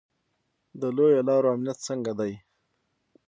د لویو لارو امنیت څنګه دی؟